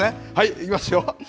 いきますよ。